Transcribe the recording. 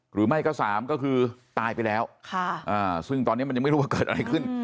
หรือไม่ก็๓ก็คือตายไปแล้วซึ่งตอนนี้มันยังไม่รู้ว่าเกิดอะไรขึ้น